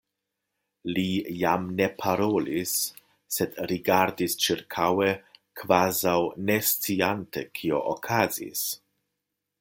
Li jam ne parolis, sed rigardis ĉirkaŭe kvazaŭ ne sciante kio okazis.